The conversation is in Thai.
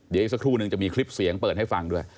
เดี๋ยวอีกสักครู่นึงจะมีคลิปเสียงเปิดให้ฟังด้วย